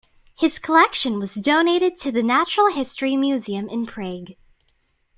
His collection was donated to the Natural History Museum in Prague.